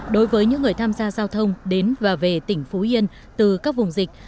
đối với những người tham gia giao thông đến và về tỉnh phú yên từ các vùng dịch